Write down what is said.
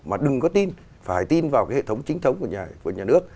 mà đừng có tin phải tin vào cái hệ thống chính thống của nhà nước